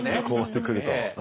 こうなってくると。